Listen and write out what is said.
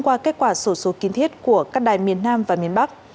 và kết quả sổ số kiên thiết của các đài miền nam và miền bắc